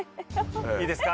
いいですか？